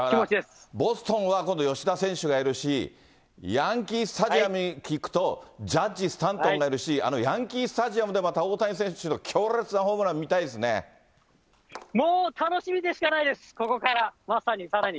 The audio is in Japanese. だからボストンは、今度吉田選手がいるし、ヤンキースタジアムに行くと、ジャッジ・スタントンがいるし、あのヤンキースタジアムで、また大谷選手の強烈なホームランを見たもう楽しみでしかないです、ここから、まさに、さらに。